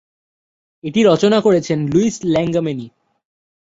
এটি রচনা করেছেন লুইস ল্যাঙ্গলেমি।